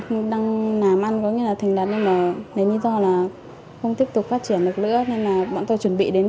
công ty đang nàm ăn có nghĩa là thành đắn nhưng mà lấy lý do là không tiếp tục phát triển được nữa nên là bọn tôi chuẩn bị đến đó